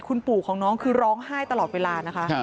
คุณปู่ของน้องคือร้องไห้ตลอดเวลานะคะ